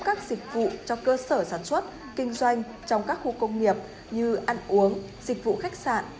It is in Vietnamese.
các dịch vụ cho cơ sở sản xuất kinh doanh trong các khu công nghiệp như ăn uống dịch vụ khách sạn